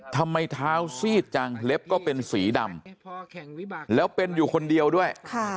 เท้าซีดจังเล็บก็เป็นสีดำแล้วเป็นอยู่คนเดียวด้วย